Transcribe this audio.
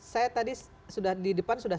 saya tadi sudah di depan sudah